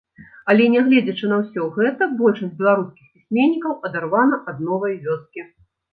Але, нягледзячы на ўсё гэта, большасць беларускіх пісьменнікаў адарвана ад новай вёскі.